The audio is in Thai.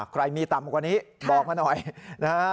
ใครมีต่ำกว่านี้บอกมาหน่อยนะฮะ